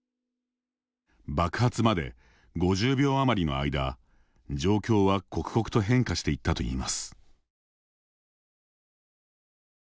爆発まで５０秒余りの間状況は刻々と変化していったといいます。